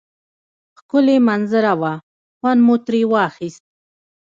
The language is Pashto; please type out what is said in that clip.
ښکلی منظره وه خوند مو تری واخیست